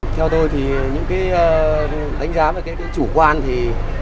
theo tôi thì những cái đánh giá về cái chủ quan thì